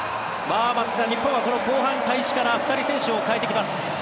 松木さん、日本はこの後半開始から２人選手を代えてきます。